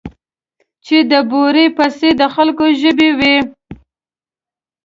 چې د بورې پسې د خلکو ژبې وې.